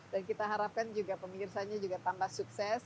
dan kita harapkan juga pemirsa nya juga tambah sukses